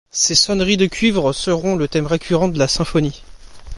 Ces sonneries de cuivres seront le thème récurrent de la symphonie.